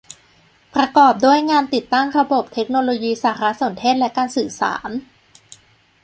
ประกอบด้วยงานติดตั้งระบบเทคโนโลยีสารสนเทศและการสื่อสาร